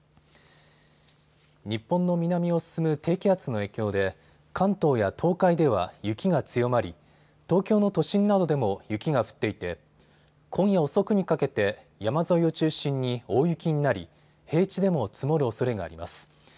日本の南を進む低気圧の影響で関東や東海では雪が強まり、東京の都心などでも雪が降っていて今夜遅くにかけて山沿いを中心に大雪になり平地でも積もるおそれがあります。